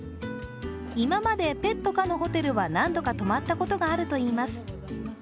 今まで、ペット可のホテルは何度か泊まったことがあるといいます。